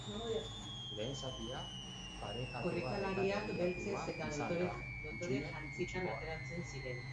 Lehen zatia parekatua eta lehiatua izan da, hutsune gutxikoa.